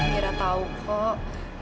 mira tau kok